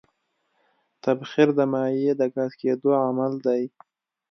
تبخیر د مایع د ګاز کېدو عمل دی.